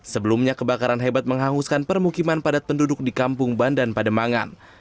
sebelumnya kebakaran hebat menghanguskan permukiman padat penduduk di kampung bandan pademangan